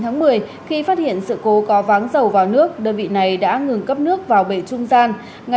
nếu có váng dầu vào nước đơn vị này đã ngừng cấp nước vào bể trung gian